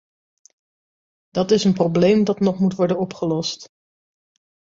Dat is een probleem dat nog moet worden opgelost.